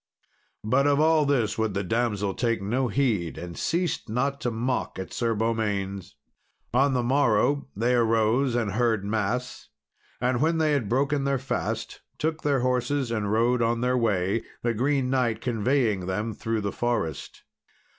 But of all this would the damsel take no heed, and ceased not to mock at Sir Beaumains. On the morrow, they arose and heard mass; and when they had broken their fast, took their horses and rode on their way, the Green Knight conveying them through the forest.